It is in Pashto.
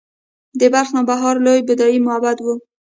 د بلخ نوبهار لوی بودايي معبد و